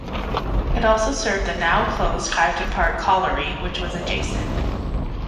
It also served the now closed Kiveton Park Colliery which was adjacent.